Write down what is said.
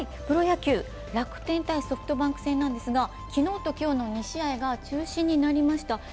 プロ野球、楽天対ソフトバンク戦なんですが昨日と今日の２試合が中止になりました。